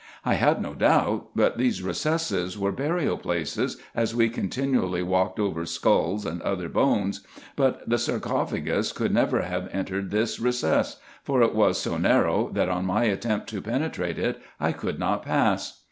I had no doubt, but these recesses were burial places, as we continually walked over skulls and other bones: but the sarcophagus could never have entered this recess ; for it was so narrow, that on my attempt to penetrate it, I could not pass.